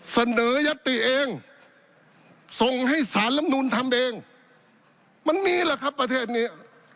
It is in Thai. เสนอยัตติเองส่งให้สารลำนูนทำเองมันมีแหละครับประเทศนี้